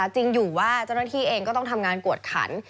จริงอยู่ว่าเจ้าหน้าที่เองก็ต้องทำงานกวดขัน